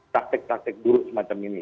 taktik taktik buruk semacam ini